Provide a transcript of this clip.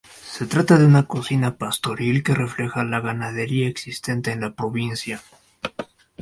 Se trata de una cocina pastoril que refleja la ganadería existente en la provincia.